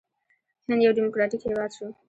هند یو ډیموکراټیک هیواد شو.